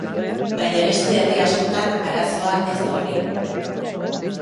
Baina beste herri askotan arazoa ez da hori.